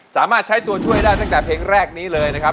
สามารถใช้ตัวช่วยได้ตั้งแต่เพลงแรกนี้เลยนะครับ